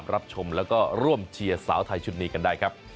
รับชมแล้วก็ร่วมเชียร์สาวไทยชุดนี้กันได้ครับ